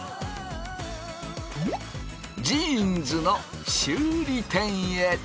ジーンズの修理店へ！